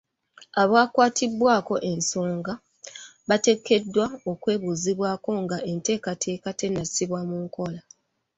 Abakwatibwako ensonga bateekeddwa okwebuuzibwako nga enteekateeka tennasibwa mu nkola.